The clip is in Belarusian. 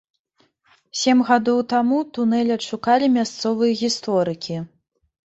Сем гадоў таму тунэль адшукалі мясцовыя гісторыкі.